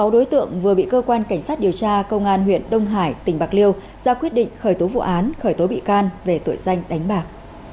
sáu đối tượng vừa bị cơ quan cảnh sát điều tra công an huyện đông hải tỉnh bạc liêu ra quyết định khởi tố vụ án khởi tố bị can về tội danh đánh bạc